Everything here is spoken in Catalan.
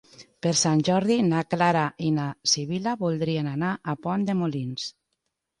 Per Sant Jordi na Clara i na Sibil·la voldrien anar a Pont de Molins.